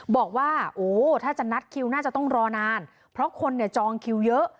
บอกว่าโอ้ถ้าจะนัดคิวน่าจะต้องรอนานเพราะคนเนี่ยจองคิวเยอะ